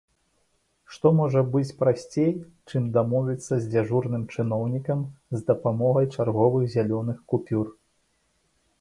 Што можа быць прасцей, чым дамовіцца з дзяжурным чыноўнікам з дапамогай чарговых зялёных купюр?